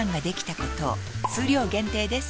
数量限定です